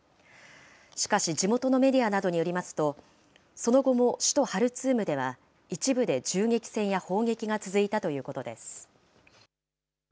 しかし、地元のメディアなどによりますと、その後も首都ハルツームでは、一部で銃撃戦や砲撃が続いたということです。